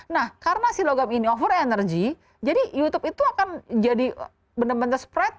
nah karena si logam ini over energy jadi youtube itu akan jadi benar benar spread